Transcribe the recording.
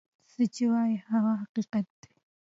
څه چی وای هغه حقیقت دی.